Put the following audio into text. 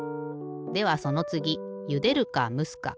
ではそのつぎゆでるかむすか。